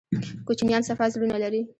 کوچنیان صفا زړونه لري